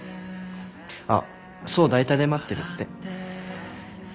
あっ想代田で待ってるって。